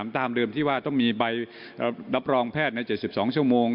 ตามเดิมที่ว่าต้องมีใบรับรองแพทย์ใน๗๒ชั่วโมง